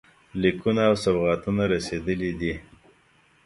لیکونه او سوغاتونه رسېدلي دي.